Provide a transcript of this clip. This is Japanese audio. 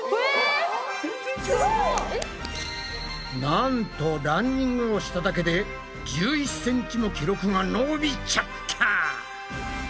なんとランニングをしただけで１１ｃｍも記録が伸びちゃった！